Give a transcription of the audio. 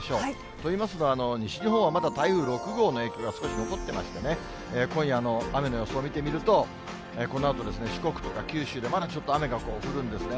といいますのは、西日本はまだ台風６号の影響が少し残っていましてね、今夜の雨の予想を見てみますと、このあと、四国とか九州で、まだちょっと雨がこう、降るんですね。